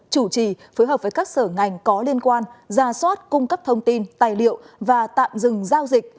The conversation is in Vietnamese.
chủ trì phối hợp với các sở ngành có liên quan ra soát cung cấp thông tin tài liệu và tạm dừng giao dịch